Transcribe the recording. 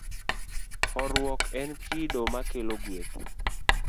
Horuok en kido makelo gweth.